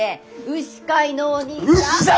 牛飼いのお兄さん。